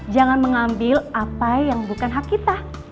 jangan mengambil apa yang bukan hak kita